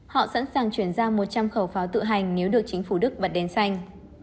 họ sẵn sàng chuyển ra một trăm linh khẩu pháo tự hành nếu được chính phủ đức bật đến xanh